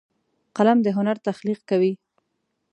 قلم د هنر تخلیق کوي